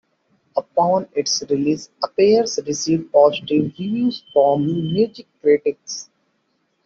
Upon its release, "Appears" received positive reviews from music critics.